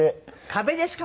壁ですか？